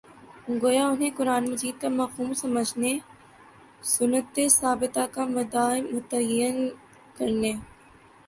گویا انھیں قرآنِ مجیدکامفہوم سمجھنے، سنتِ ثابتہ کا مدعا متعین کرنے